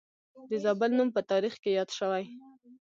د زابل نوم په تاریخ کې یاد شوی